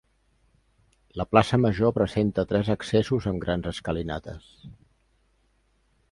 La Plaça Major presenta tres accessos amb grans escalinates.